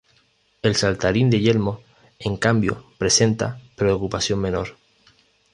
El saltarín de yelmo, en cambio, presenta preocupación menor.